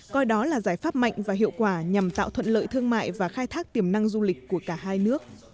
coi đó là giải pháp mạnh và hiệu quả nhằm tạo thuận lợi thương mại và khai thác tiềm năng du lịch của cả hai nước